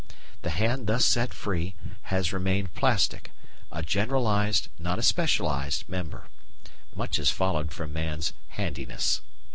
The hand thus set free has remained plastic a generalised, not a specialised member. Much has followed from man's "handiness."